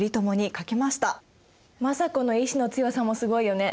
政子の意志の強さもすごいよね！